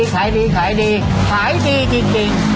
ขายดีขายดีขายดีจริง